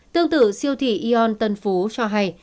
tương tự siêu thị eon tân phú cho hay